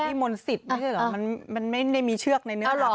พี่มนสิตนี่หรอมันมันไม่ได้มีเชือกในเนื้อหรอเขา